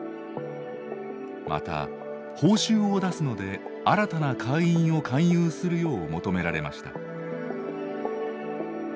また報酬を出すので新たな会員を勧誘するよう求められました。